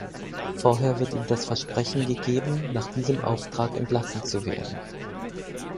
Vorher wird ihm das Versprechen gegeben, nach diesem Auftrag entlassen zu werden.